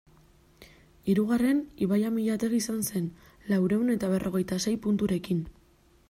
Hirugarren, Ibai Amillategi izan zen, laurehun eta berrogeita sei punturekin.